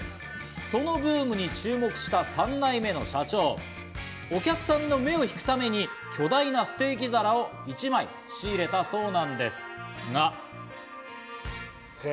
そのブームに注目した３代目の社長、お客さんの目を引くために巨大なステーキ皿を１枚仕入れたそうなんです。